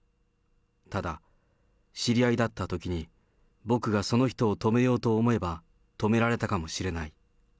ただ、知り合いだったときに、僕がその人を止めようと思えば止められたかもしれない。